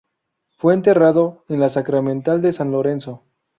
Fue enterrado en la sacramental de San Lorenzo.